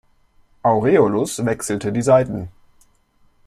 Aureolus wechselte die Seiten.